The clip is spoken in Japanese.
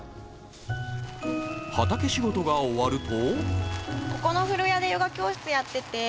畑仕事が終わると。